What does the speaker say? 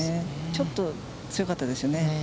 ちょっと強かったですよね。